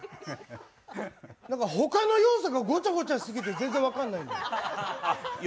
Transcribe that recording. なんかほかの要素がごちゃごちゃしすぎて全然分からないんよ。